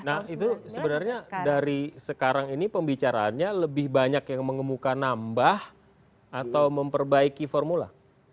nah itu sebenarnya dari sekarang ini pembicaraannya lebih banyak yang mengemuka nambah atau memperbaiki formula